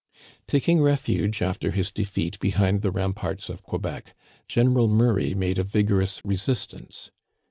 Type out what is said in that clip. Taking refuge after his defeat behind the ramparts of Quebec, General Murray made a vigorous resistance.